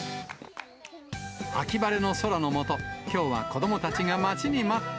秋晴れの空の下、きょうは子どもたちが待ちに待った。